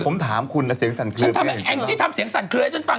ผมถามคุณที่ก็เสียงสั่นเคลื่อนแอ้นที่ทำเสียงสั่นเคลื่อนให้ฉันฟัง